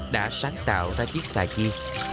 đã sáng tạo ra chiếc xà chi